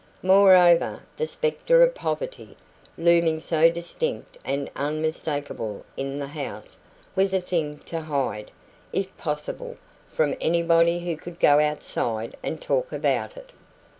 Moreover, the spectre of poverty, looming so distinct and unmistakable in the house, was a thing to hide, if possible, from anybody who could go outside and talk about it.